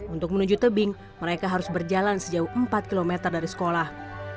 untuk menuju tebing mereka harus berjalan sejauh empat km dari sekolah